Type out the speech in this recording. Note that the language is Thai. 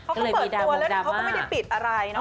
เขาก็เปิดตัวแล้วเขาก็ไม่ได้ปิดอะไรเนาะ